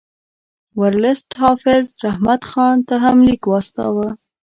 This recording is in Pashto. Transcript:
ورلسټ حافظ رحمت خان ته هم لیک واستاوه.